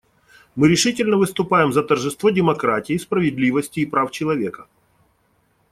Мы решительно выступаем за тожество демократии, справедливости и прав человека.